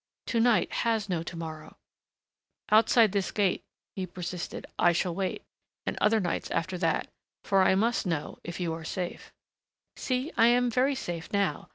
To night has no to morrow " "Outside this gate," he persisted. "I shall wait and other nights after that. For I must know if you are safe " "See, I am very safe now.